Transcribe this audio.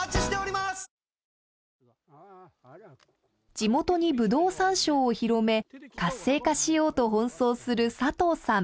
地元にぶどう山椒を広め活性化しようと奔走する。